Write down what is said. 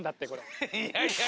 いやいや。